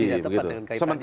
tidak tepat dengan kaitannya